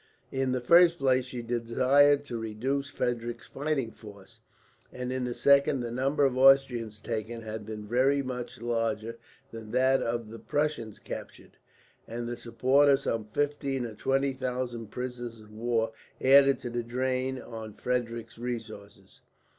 In the first place she desired to reduce Frederick's fighting force, and in the second, the number of Austrians taken had been very much larger than that of the Prussians captured, and the support of some fifteen or twenty thousand prisoners of war added to the drain on Frederick's resources.